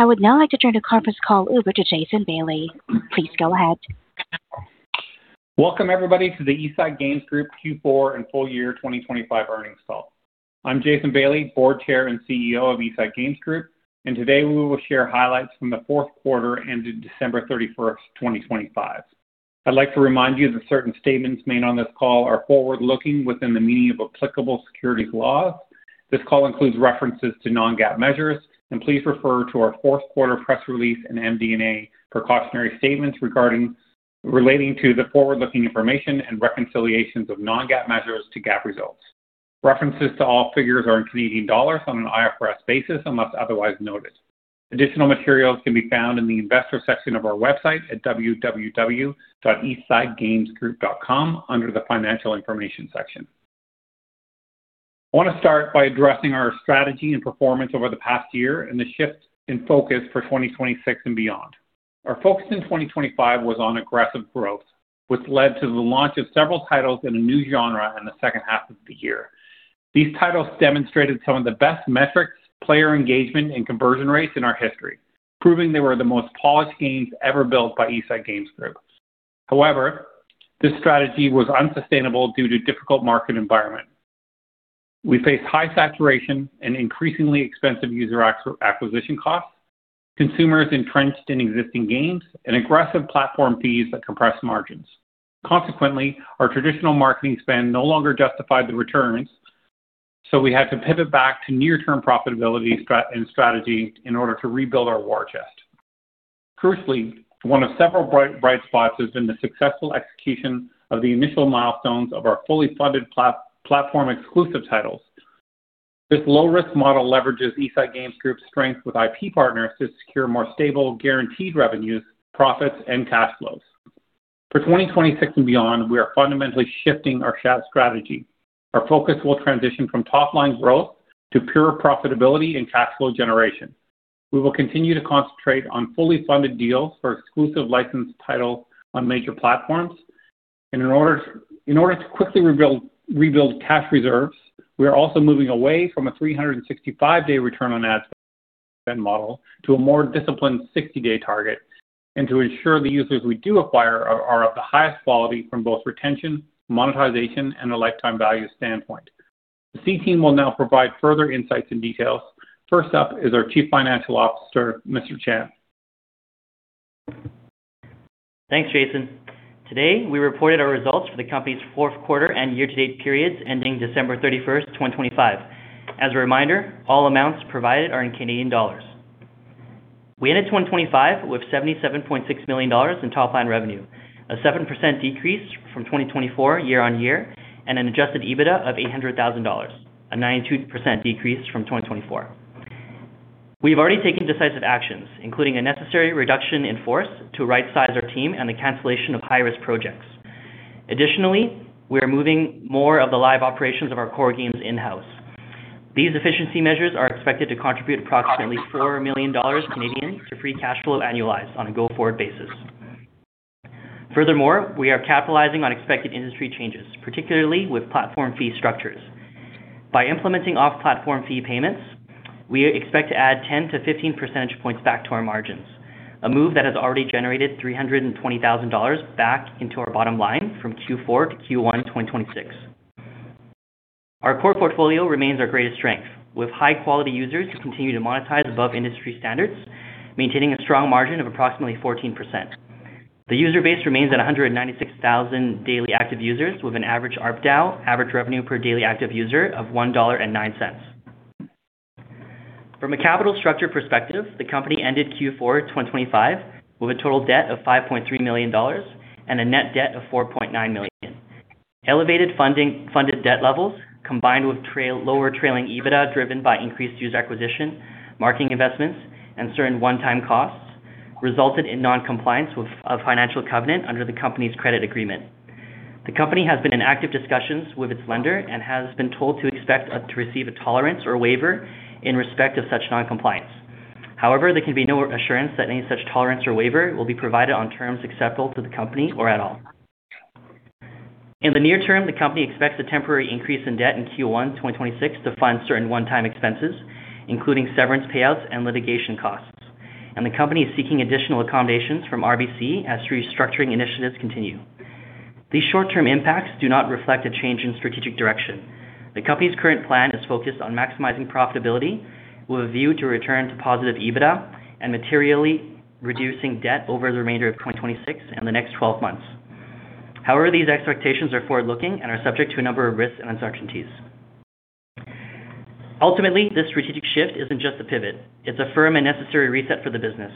I would now like to turn the conference call over to Jason Bailey. Please go ahead. Welcome everybody to the East Side Games Group Q4 and full year 2025 earnings call. I'm Jason Bailey, Executive Chair and CEO of East Side Games Group, and today we will share highlights from the fourth quarter ended December 31st, 2025. I'd like to remind you that certain statements made on this call are forward-looking within the meaning of applicable securities laws. This call includes references to non-GAAP measures, and please refer to our fourth quarter press release and MD&A precautionary statements relating to the forward-looking information and reconciliations of non-GAAP measures to GAAP results. References to all figures are in Canadian dollars on an IFRS basis, unless otherwise noted. Additional materials can be found in the investor section of our website at www.eastsidegamesgroup.com under the Financial Information section. I want to start by addressing our strategy and performance over the past year and the shifts in focus for 2026 and beyond. Our focus in 2025 was on aggressive growth, which led to the launch of several titles in a new genre in the second half of the year. These titles demonstrated some of the best metrics, player engagement, and conversion rates in our history, proving they were the most polished games ever built by East Side Games Group. However, this strategy was unsustainable due to difficult market environment. We faced high saturation and increasingly expensive user acquisition costs, consumers entrenched in existing games, and aggressive platform fees that compressed margins. Consequently, our traditional marketing spend no longer justified the returns, so we had to pivot back to near-term profitability and strategy in order to rebuild our war chest. Crucially, one of several bright spots has been the successful execution of the initial milestones of our fully funded platform exclusive titles. This low-risk model leverages East Side Games Group's strength with IP partners to secure more stable, guaranteed revenues, profits, and cash flows. For 2026 and beyond, we are fundamentally shifting our strategy. Our focus will transition from top-line growth to pure profitability and cash flow generation. We will continue to concentrate on fully funded deals for exclusive licensed titles on major platforms. In order to quickly rebuild cash reserves, we are also moving away from a 365-day return on ad spend model to a more disciplined 60-day target, and to ensure the users we do acquire are of the highest quality from both retention, monetization, and a lifetime value standpoint. The C-team will now provide further insights and details. First up is our Chief Financial Officer, Jason Chan. Thanks, Jason. Today, we reported our results for the company's fourth quarter and year-to-date periods ending December 31st, 2025. As a reminder, all amounts provided are in Canadian dollars. We ended 2025 with 77.6 million dollars in top-line revenue, a 7% decrease from 2024 year-on-year, and an Adjusted EBITDA of 800,000 dollars, a 92% decrease from 2024. We've already taken decisive actions, including a necessary reduction in force to rightsize our team and the cancellation of high-risk projects. Additionally, we are moving more of the live operations of our core games in-house. These efficiency measures are expected to contribute approximately 4 million Canadian dollars to free cash flow annualized on a go-forward basis. Furthermore, we are capitalizing on expected industry changes, particularly with platform fee structures. By implementing off-platform fee payments, we expect to add 10-15 percentage points back to our margins, a move that has already generated 320,000 dollars back into our bottom line from Q4 to Q1, 2026. Our core portfolio remains our greatest strength with high-quality users who continue to monetize above industry standards, maintaining a strong margin of approximately 14%. The user base remains at 196,000 daily active users with an average ARPDAU, average revenue per daily active user, of 1.09 dollar. From a capital structure perspective, the company ended Q4, 2025, with a total debt of 5.3 million dollars and a net debt of 4.9 million. Elevated funded debt levels combined with lower trailing EBITDA, driven by increased user acquisition, marketing investments, and certain one-time costs, resulted in non-compliance with a financial covenant under the company's credit agreement. The company has been in active discussions with its lender and has been told to expect to receive a tolerance or waiver in respect of such non-compliance. However, there can be no assurance that any such tolerance or waiver will be provided on terms acceptable to the company or at all. In the near term, the company expects a temporary increase in debt in Q1 2026 to fund certain one-time expenses, including severance payouts and litigation costs. The company is seeking additional accommodations from RBC as restructuring initiatives continue. These short-term impacts do not reflect a change in strategic direction. The company's current plan is focused on maximizing profitability with a view to return to positive EBITDA and materially reducing debt over the remainder of 2026 and the next 12 months. However, these expectations are forward-looking and are subject to a number of risks and uncertainties. Ultimately, this strategic shift isn't just a pivot. It's a firm and necessary reset for the business.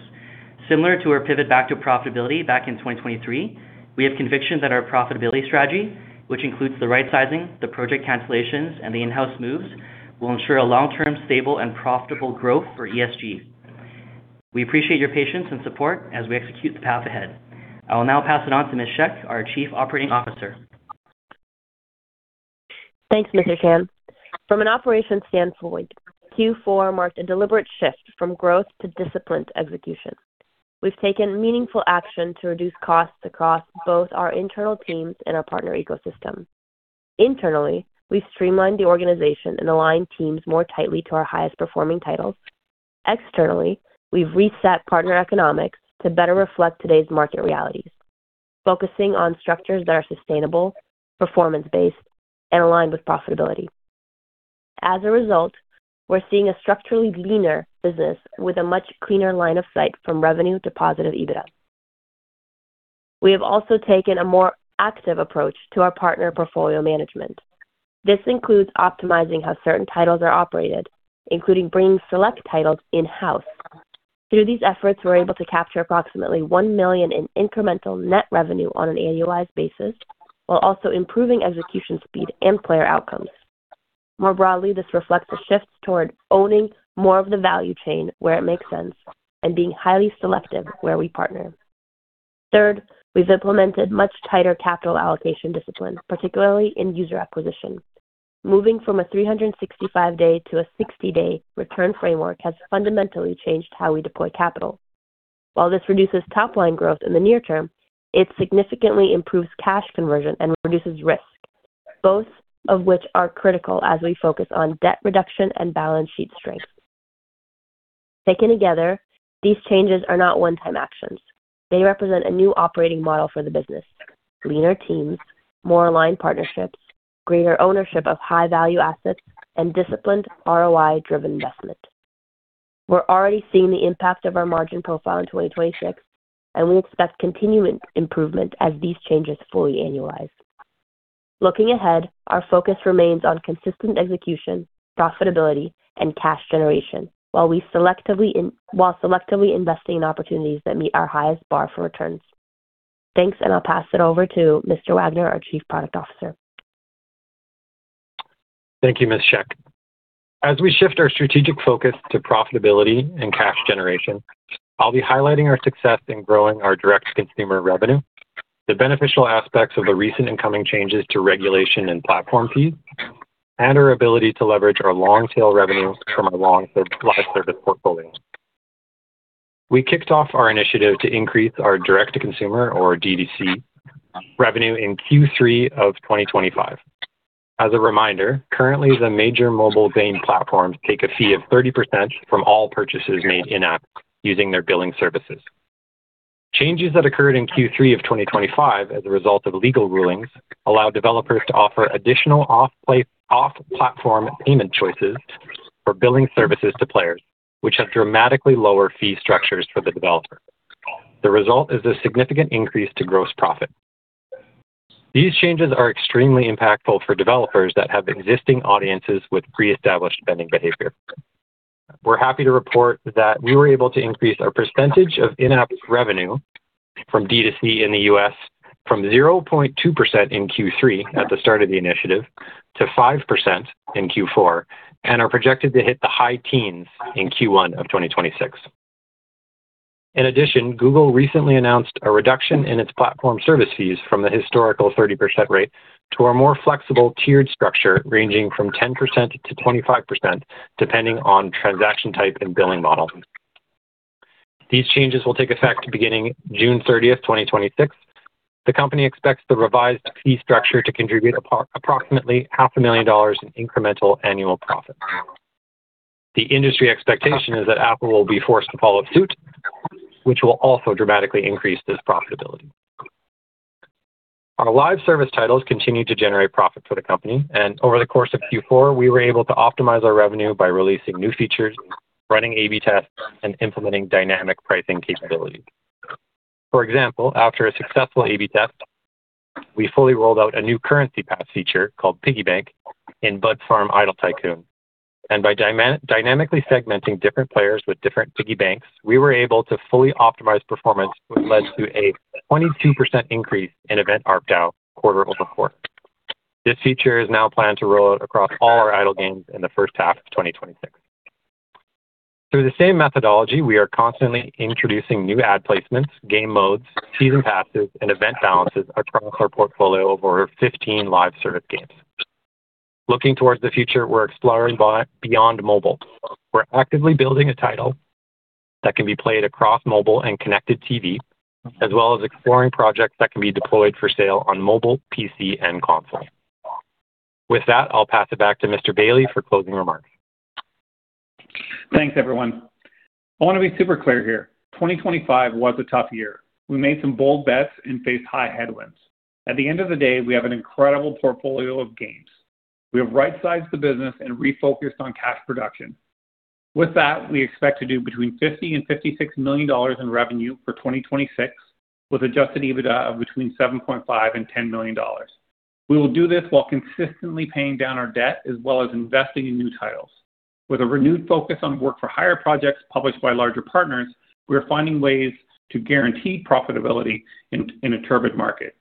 Similar to our pivot back to profitability back in 2023, we have conviction that our profitability strategy, which includes the rightsizing, the project cancellations, and the in-house moves, will ensure a long-term, stable, and profitable growth for ESG. We appreciate your patience and support as we execute the path ahead. I will now pass it on to Ms. Shek, our Chief Operating Officer. Thanks, Jason Chan. From an operations standpoint, Q4 marked a deliberate shift from growth to disciplined execution. We've taken meaningful action to reduce costs across both our internal teams and our partner ecosystem. Internally, we've streamlined the organization and aligned teams more tightly to our highest-performing titles. Externally, we've reset partner economics to better reflect today's market realities, focusing on structures that are sustainable, performance-based, and aligned with profitability. As a result, we're seeing a structurally leaner business with a much cleaner line of sight from revenue to positive EBITDA. We have also taken a more active approach to our partner portfolio management. This includes optimizing how certain titles are operated, including bringing select titles in-house. Through these efforts, we're able to capture approximately 1 million in incremental net revenue on an annualized basis while also improving execution speed and player outcomes. More broadly, this reflects a shift toward owning more of the value chain where it makes sense and being highly selective where we partner. Third, we've implemented much tighter capital allocation discipline, particularly in user acquisition. Moving from a 365-day to a 60-day return framework has fundamentally changed how we deploy capital. While this reduces top-line growth in the near term, it significantly improves cash conversion and reduces risk, both of which are critical as we focus on debt reduction and balance sheet strength. Taken together, these changes are not one-time actions. They represent a new operating model for the business, leaner teams, more aligned partnerships, greater ownership of high-value assets, and disciplined ROI-driven investment. We're already seeing the impact of our margin profile in 2026, and we expect continuing improvement as these changes fully annualize. Looking ahead, our focus remains on consistent execution, profitability, and cash generation while we selectively investing in opportunities that meet our highest bar for returns. Thanks, and I'll pass it over to Jim Wagner, our Chief of Product. Thank you, Ms. Shek. As we shift our strategic focus to profitability and cash generation, I'll be highlighting our success in growing our direct-to-consumer revenue, the beneficial aspects of the recent incoming changes to regulation and platform fees, and our ability to leverage our long-tail revenues from our long live service portfolio. We kicked off our initiative to increase our direct-to-consumer or D2C revenue in Q3 of 2025. As a reminder, currently, the major mobile game platforms take a fee of 30% from all purchases made in-app using their billing services. Changes that occurred in Q3 of 2025 as a result of legal rulings allow developers to offer additional off-platform payment choices for billing services to players, which have dramatically lower fee structures for the developer. The result is a significant increase to gross profit. These changes are extremely impactful for developers that have existing audiences with pre-established spending behavior. We're happy to report that we were able to increase our percentage of in-app revenue from D2C in the U.S. from 0.2% in Q3 at the start of the initiative to 5% in Q4, and are projected to hit the high teens in Q1 of 2026. In addition, Google recently announced a reduction in its platform service fees from the historical 30% rate to a more flexible tiered structure ranging from 10%-25%, depending on transaction type and billing model. These changes will take effect beginning June 30, 2026. The company expects the revised fee structure to contribute approximately half a million dollars in incremental annual profit. The industry expectation is that Apple will be forced to follow suit, which will also dramatically increase this profitability. Our live service titles continue to generate profit for the company, and over the course of Q4, we were able to optimize our revenue by releasing new features, running A/B tests, and implementing dynamic pricing capabilities. For example, after a successful A/B test, we fully rolled out a new currency pass feature called Piggy Bank in Bud Farm: Idle Tycoon. By dynamically segmenting different players with different Piggy Banks, we were able to fully optimize performance, which led to a 22% increase in event ARPDAU quarter-over-quarter. This feature is now planned to roll out across all our idle games in the first half of 2026. Through the same methodology, we are constantly introducing new ad placements, game modes, season passes, and event balances across our portfolio of over 15 live service games. Looking towards the future, we're exploring beyond mobile. We're actively building a title that can be played across mobile and connected TV, as well as exploring projects that can be deployed for sale on mobile, PC, and console. With that, I'll pass it back to Jason Bailey for closing remarks. Thanks, everyone. I want to be super clear here. 2025 was a tough year. We made some bold bets and faced high headwinds. At the end of the day, we have an incredible portfolio of games. We have right-sized the business and refocused on cash production. With that, we expect to do between 50 million and 56 million dollars in revenue for 2026, with Adjusted EBITDA of between 7.5 million and 10 million dollars. We will do this while consistently paying down our debt as well as investing in new titles. With a renewed focus on work-for-hire projects published by larger partners, we are finding ways to guarantee profitability in a turbulent market.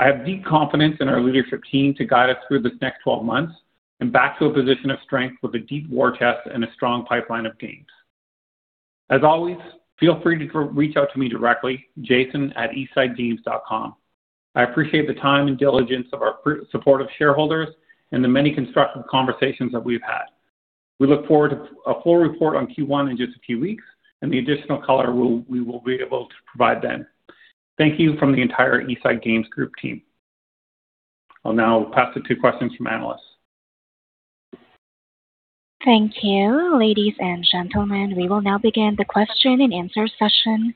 I have deep confidence in our leadership team to guide us through this next 12 months and back to a position of strength with a deep war chest and a strong pipeline of games. As always, feel free to reach out to me directly, jason@eastsidegames.com. I appreciate the time and diligence of our supportive shareholders and the many constructive conversations that we've had. We look forward to a full report on Q1 in just a few weeks and the additional color we will be able to provide then. Thank you from the entire East Side Games Group team. I'll now pass it to questions from analysts. Thank you. Ladies and gentlemen, we will now begin the question and answer session.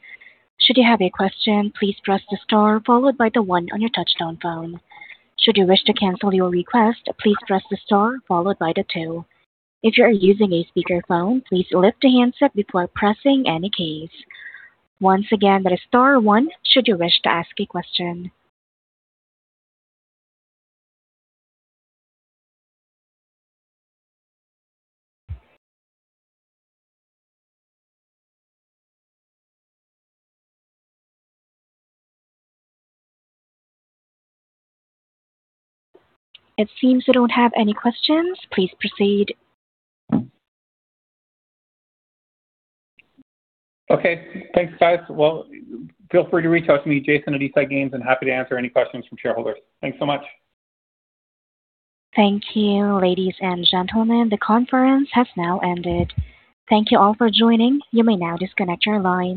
It seems we don't have any questions. Please proceed. Okay. Thanks, guys. Well, feel free to reach out to me, jason@eastsidegames.com, and happy to answer any questions from shareholders. Thanks so much. Thank you. Ladies and gentlemen, the conference has now ended. Thank you all for joining. You may now disconnect your lines.